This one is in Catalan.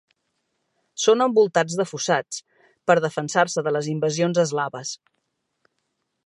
Són envoltats de fossats per defensar-se de les invasions eslaves.